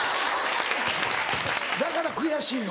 だから悔しいの。